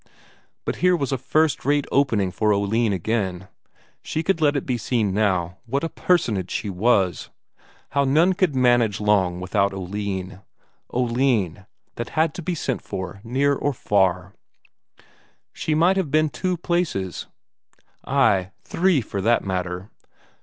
But here was a first rate opening for Oline again; she could let it be seen now what a personage she was; how none could manage long without Oline Oline, that, had to be sent for near or far. She might have been two places, ay, three, for that matter.